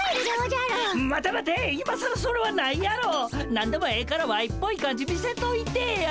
何でもええからワイっぽい感じ見せといてぇや！